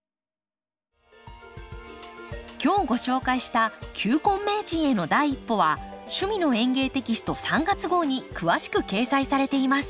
今日ご紹介した「球根名人への第一歩」は「趣味の園芸」テキスト３月号に詳しく掲載されています。